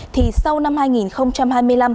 thì sau năm hai nghìn hai mươi năm